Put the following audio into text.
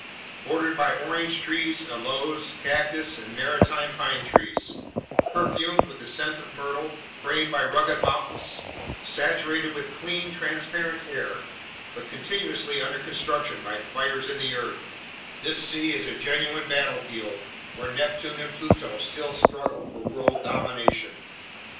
* Bordered by orange trees, aloes, cactus, and maritime pine trees, perfumed with the scent of myrtle, framed by rugged mountains, saturated with clean, transparent air but continuously under construction by fires in the earth, this sea is a genuine battlefield where Neptune and Pluto still struggle for world domination.